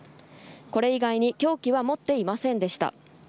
これ以外に凶器は持っていませんでした。